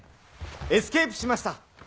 エスケープしました！